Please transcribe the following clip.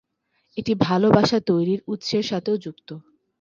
এটি "ভালবাসা তৈরির" উৎসের সাথেও যুক্ত।